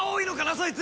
そいつ。